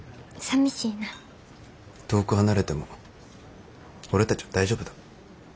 遠く離れても俺たちは大丈夫だ。